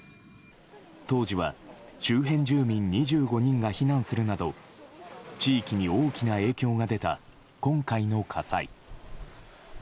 当時は、周辺住民２５人が避難するなど地域に大きな影響が出た今回の火災。